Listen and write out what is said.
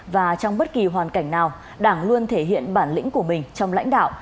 và trong bất kỳ hoàn cảnh nào đảng luôn thể hiện bản lĩnh của mình trong lãnh đạo